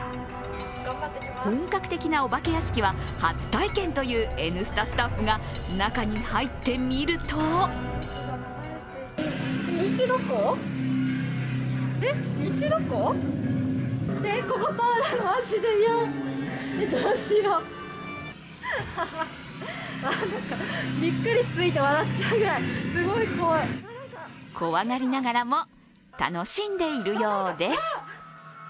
本格的なお化け屋敷は初体験という「Ｎスタ」スタッフが中に入ってみると怖がりながらも、楽しんでいるようです。